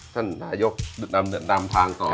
ท่านนายกนำทางต่อ